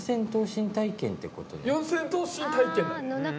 四千頭身体験だ。